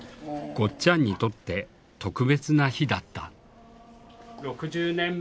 ゴッちゃんにとって特別な日だった。